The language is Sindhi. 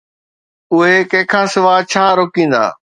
اهي ڪنهن کان سواءِ ڇا روڪيندا؟